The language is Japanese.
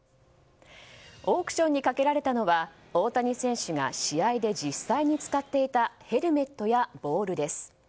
オークションにかけられたのは大谷選手が試合で実際に使っていたヘルメットやボールです。